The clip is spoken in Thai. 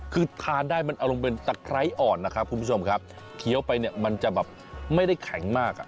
คือทานได้มันเอาลงเป็นตะไคร้อ่อนนะครับคุณผู้ชมครับเคี้ยวไปเนี่ยมันจะแบบไม่ได้แข็งมากอ่ะ